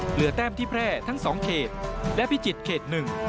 แต้มที่แพร่ทั้ง๒เขตและพิจิตรเขต๑